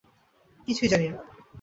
কিছুই জানি না!